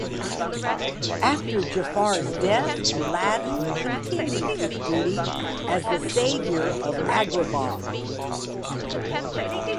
After Jafar's death, Aladdin continues his duty as the savior of Agrabah.